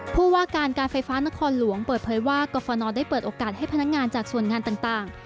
ผู้ว่าการการไฟฟ้านครหลวงเปิดเผยว่ากรฟนได้เปิดโอกาสให้พนักงานจากส่วนงานต่าง